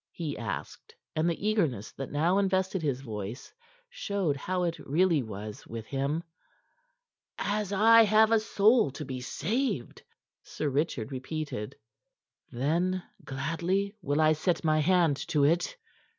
he asked, and the eagerness that now invested his voice showed how it really was with him. "As I have a soul to be saved," Sir Richard repeated. "Then gladly will I set my hand to it."